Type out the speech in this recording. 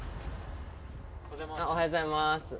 おはようございます。